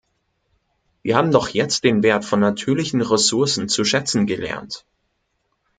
Wir haben doch jetzt den Wert von natürlichen Ressourcen zu schätzen gelernt.